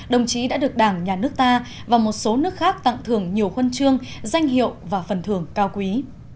đồng chí đã được đảng nhà nước ta và một số nước khác tặng thưởng nhiều huân chương danh hiệu và phần thưởng cao quý